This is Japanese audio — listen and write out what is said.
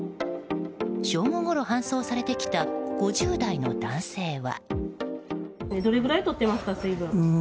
正午ごろ搬送されてきた５０代の男性は。